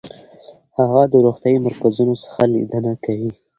هغه د روغتیايي مرکزونو څخه لیدنه کوي.